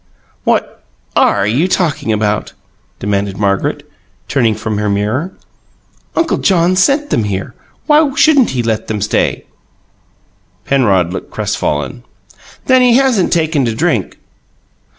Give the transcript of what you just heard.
"What ARE you talking about?" demanded Margaret, turning from her mirror. "Uncle John sent them here. Why shouldn't he let them stay?" Penrod looked crestfallen. "Then he hasn't taken to drink?"